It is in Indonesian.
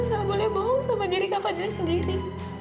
kak fadil gak boleh bohong sama diri kak fadil sendiri